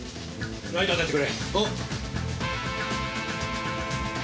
ライト当ててくれ。